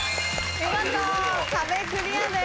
見事壁クリアです。